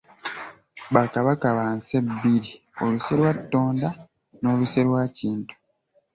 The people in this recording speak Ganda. Ba Kabaka ba Nse bbiri, oluse lwa Ttonda n’oluse lwa Kintu.